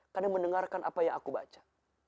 karena mendengarkan apa yang aku baca